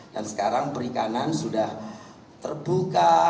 dan sekarang perikanan sudah terbuka